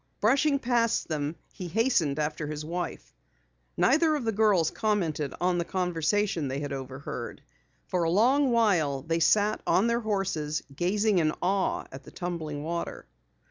Brushing past them, he hastened after his wife. Neither of the girls commented upon the conversation they had overheard. For a long while they sat on their horses, gazing in awe at the tumbling water.